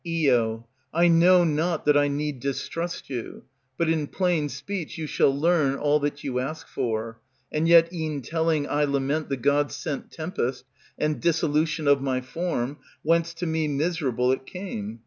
Io. I know not that I need distrust you, But in plain speech you shall learn All that you ask for; and yet e'en telling I lament The god sent tempest, and dissolution Of my form whence to me miserable it came.